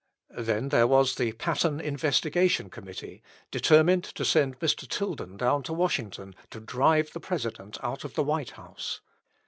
Then there was the Patten investigation committee, determined to send Mr. Tilden down to Washington to drive the President out of the White House.